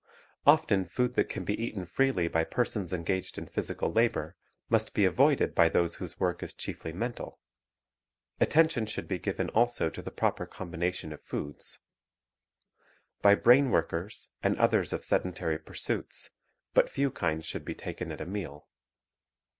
Often food that can be eaten freely by persons engaged in physical labor must be avoided by those whose work is chiefly mental. Attention should be given also to the proper combination of foods. By brain workers and others of sedentary pursuits, but few kinds should be taken at a meal.